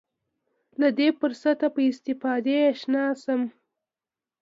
له دې فرصته په استفادې اشنا شم.